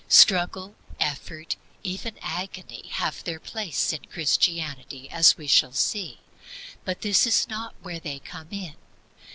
Struggle, effort, even agony, have their place in Christianity, as we shall see; but this is not where they come in.